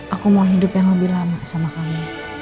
aku mau hidup yang lebih lama sama kami